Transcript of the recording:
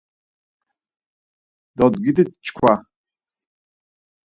Dodgitit çkva!